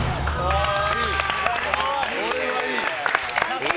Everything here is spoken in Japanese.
これはいい。